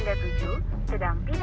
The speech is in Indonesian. saya harus tahu saya sudah beli mobil